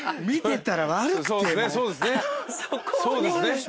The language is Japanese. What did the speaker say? そうですね。